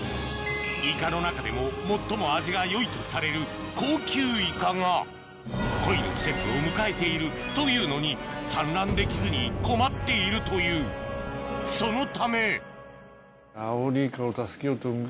イカの中でも最も味がよいとされる高級イカが恋の季節を迎えているというのに産卵できずに困っているというそのためアオリイカを。